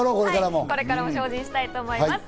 これからも精進したいと思います。